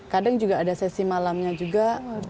kadang juga ada sesi malamnya juga